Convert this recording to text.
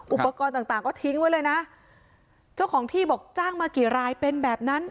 อุปกรณ์ต่างต่างก็ทิ้งไว้เลยนะเจ้าของที่บอกจ้างมากี่รายเป็นแบบนั้น